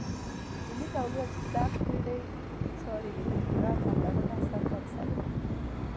د لیک او لوست زده کړې چارې یې په پوره پاملرنه سرته رسولې.